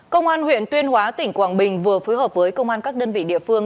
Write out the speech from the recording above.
công an huyện tuyên hóa tỉnh quảng bình vừa phối hợp với công an các đơn vị địa phương